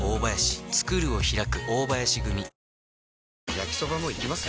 焼きソバもいきます？